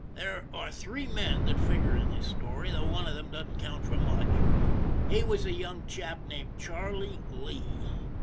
There are three men that figure in this story, though one of them doesn't count for much. He was a young chap named Charlie Lee.